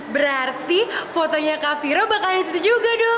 berarti fotonya kak viro bakalan disitu juga dong